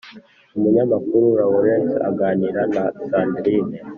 umunyamakuru laurence aganira na sandrine